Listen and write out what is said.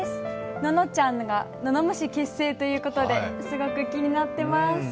ののちゃんがののムシ結成ということで、すごく気になってます。